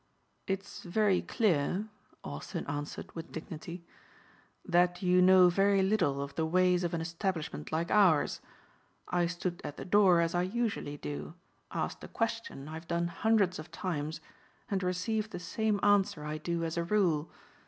"It's very clear," Austin answered with dignity, "that you know very little of the ways of an establishment like ours. I stood at the door as I usually do, asked a question I have done hundreds of times and received the same answer I do as a rule.